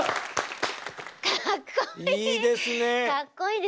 かっこいい。